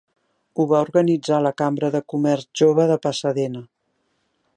Ho va organitzar la cambra de comerç jove de Pasadena.